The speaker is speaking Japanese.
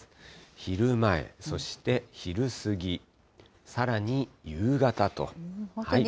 昼前、そして昼過ぎ、さらに夕方と。